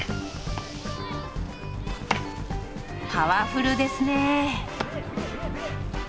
パワフルですねえ！